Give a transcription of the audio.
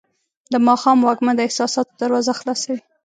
د ماښام وږمه د احساساتو دروازه خلاصوي.